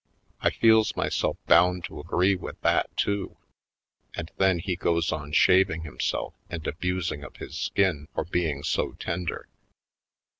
I feels myself bound to agree with that, too; and then he goes on shaving himself and abusing of his skin for being so tender.